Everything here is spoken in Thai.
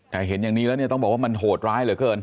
แต่เห็นอย่างนี้แล้วเนี่ยต้องบอกว่ามันโหดร้ายเหลือเกิน